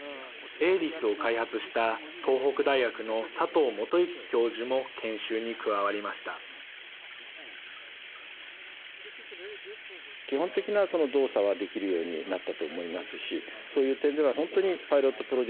ＡＬＩＳを開発した東北大学の佐藤源之教授も研修に加わりました。